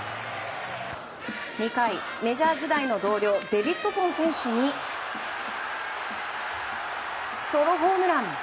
２回、メジャー時代の同僚デビッドソン選手にソロホームラン。